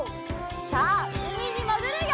さあうみにもぐるよ！